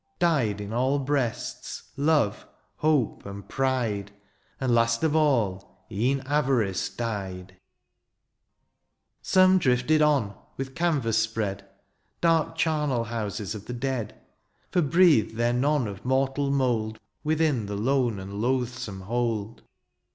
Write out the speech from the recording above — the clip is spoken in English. Died in all breasts^ love^ hope, and pride ; And last of all, e'en ayarice died ! Some drifted on, with canvass spread. Dark chamel houses of the dead ; For breathed there none of mortal mould Within the lone and loathsome hold.